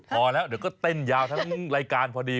พอแล้วเดี๋ยวก็เต้นยาวทั้งรายการพอดี